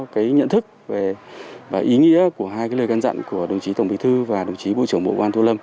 cái nhận thức và ý nghĩa của hai lời can dặn của đồng chí tổng bình thư và đồng chí bộ trưởng bộ an thu lâm